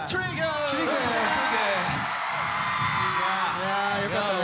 いやよかったね。